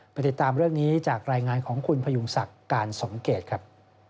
ติดตามเรื่องนี้จากรายงานของคุณพยุงศักดิ์การสมเกตครับ